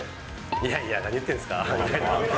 いやいや、何言ってるんですか、みたいな。